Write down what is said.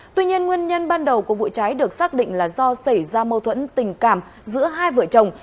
tuy nhiên nguyên nhân ban đầu của vụ cháy được xác định là do xảy ra mâu thuẫn tình cảm giữa hai vợ chồng